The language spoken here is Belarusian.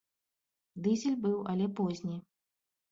Дызель быў, але позні.